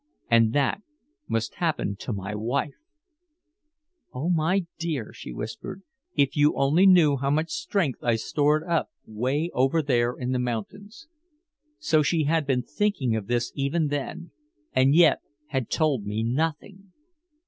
And that must happen to my wife! "Oh, my dear," she whispered, "if you only knew how much strength I stored up way over there in the mountains." So she had been thinking of this even then, and yet had told me nothing!